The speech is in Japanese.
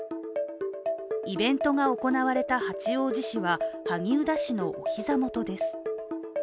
イベントが行われた八王子市は萩生田氏のお膝元です。